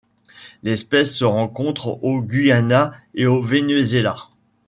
L'espèce se rencontre au Guyana et au Venezuela.